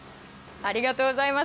ありがとうございます。